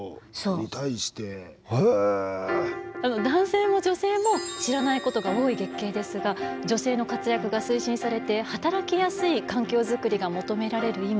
男性も女性も知らないことが多い月経ですが女性の活躍が推進されて働きやすい環境作りが求められる